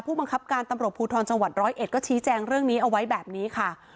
บังคับการตำรวจภูทรจังหวัดร้อยเอ็ดก็ชี้แจงเรื่องนี้เอาไว้แบบนี้ค่ะ